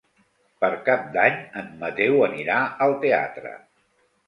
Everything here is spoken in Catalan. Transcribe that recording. Per Cap d'Any en Mateu anirà al teatre.